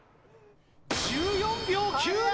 １４秒９７。